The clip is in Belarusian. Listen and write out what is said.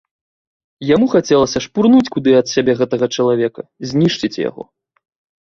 Яму хацелася шпурнуць куды ад сябе гэтага чалавека, знішчыць яго.